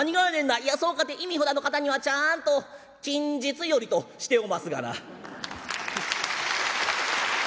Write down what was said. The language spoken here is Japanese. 「いやそうかて忌み札のかたにはちゃんと『近日より』としておますがな」。